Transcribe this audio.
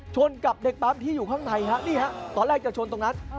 ชนกับเด็กปะดดภัมพ์ที่อยู่ข้างในนี่ตอนแรกจะชนตรงนั้น